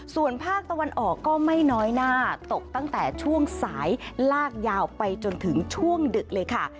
ส่วนภาคตะวันออกก็ไม่น้อยหน้าตกตั้งแต่ช่วงสายลากยาวไปจนถึงช่วงดึกเลยค่ะ